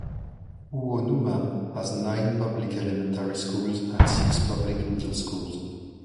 Uonuma has nine public elementary schools and six public middle schools.